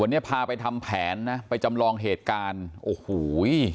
วันนี้พาไปทำแผนนะไปจำลองเหตุการณ์โอ้โห